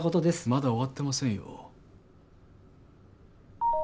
まだ終わってませんよ。